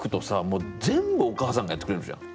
もう全部おかあさんがやってくれるじゃん。